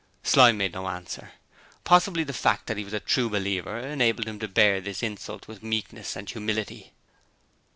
Slyme made no answer. Possibly the fact that he was a true believer enabled him to bear this insult with meekness and humility.